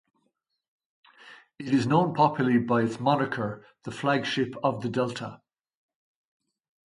It is known popularly by its moniker the "Flagship of the Delta".